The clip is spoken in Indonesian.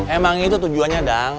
emang itu tujuannya dang